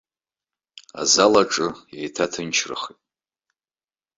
Азал аҿы еиҭааҭынчрахеит.